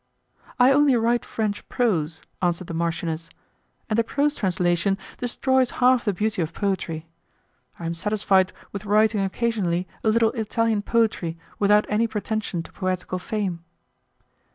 "I only write French prose," answered the marchioness, "and a prose translation destroys half the beauty of poetry. I am satisfied with writing occasionally a little Italian poetry without any pretension to poetical fame."